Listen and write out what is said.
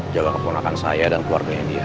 jaga keponakan saya dan keluarganya dia